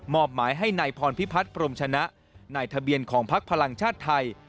อบหมายให้นายพรพิพัฒน์พรมชนะนายทะเบียนของพักพลังชาติไทย